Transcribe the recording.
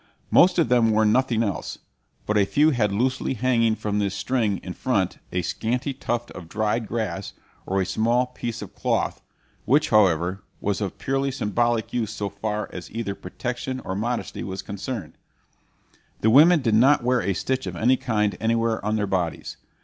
Most of them wore nothing else, but a few had loosely hanging from this string in front a scanty tuft of dried grass, or a small piece of cloth, which, however, was of purely symbolic use so far as either protection or modesty was concerned. The women did not wear a stitch of any kind anywhere on their bodies.